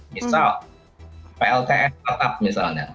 misal plts batubara misalnya